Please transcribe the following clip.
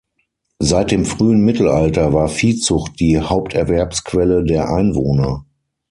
Seit dem frühen Mittelalter war Viehzucht die Haupterwerbsquelle der Einwohner.